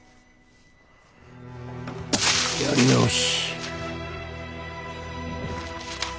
やり直し。